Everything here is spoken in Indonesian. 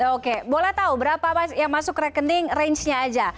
oke boleh tahu berapa yang masuk rekening rangenya saja